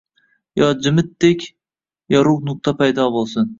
Yoki jimitdek yorugʻ nuqta paydo boʻlsin